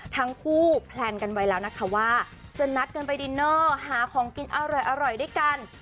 ทั้งคู่แพลนกันไว้แล้วนะคะว่าจะนัดกันไปดินเนอร์หาของกินอร่อยด้วยกัน